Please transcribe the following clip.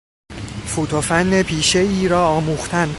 فوت و فن پیشهای را آموختن